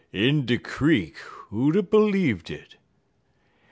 In de creek! Who'd er b'leev'd it?'